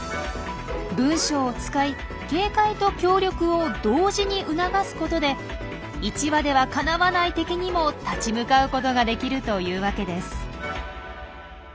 文章を使い警戒と協力を同時に促すことで１羽ではかなわない敵にも立ち向かうことができるというわけです。